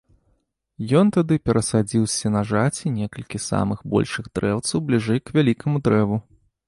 Ён тады перасадзіў з сенажаці некалькі самых большых дрэўцаў бліжэй к вялікаму дрэву.